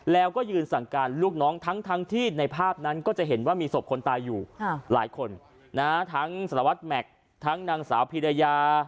แล้วก็ยืนสั่งการลูกน้องทั้งที่ในภาพนั้นก็จะเห็นว่ามีศพคนตายอยู่หลายคนทั้งสารวัตรแม็กซ์ทั้งนางสาวพีรยา